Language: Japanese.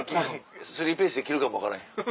スリーピース着るかも分からへん。